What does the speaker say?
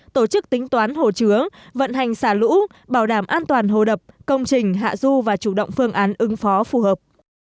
tổ chức tính toán hồ chứa vận hành xả lũ bảo đảm an toàn hồ đập công trình hạ du và chủ động phương án ứng phó phù hợp